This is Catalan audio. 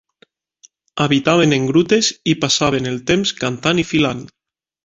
Habitaven en grutes i passaven el temps cantant i filant.